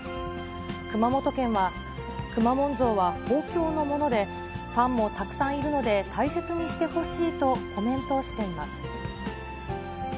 熊本県は、くまモン像は公共のもので、ファンもたくさんいるので、大切にしてほしいとコメントしています。